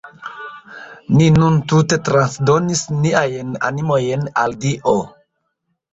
Ni nun tute transdonis niajn animojn al Dio.